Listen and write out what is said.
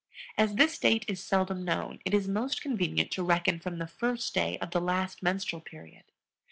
As this date is seldom known, it is most convenient to reckon from the first day of the last menstrual period.